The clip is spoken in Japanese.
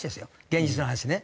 現実の話ね。